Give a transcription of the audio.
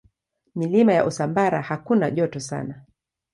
Milima ya Usambara hakuna joto sana.